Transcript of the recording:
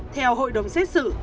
theo hội đồng xét xử